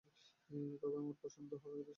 তবে আমার পছন্দ হয়েছে।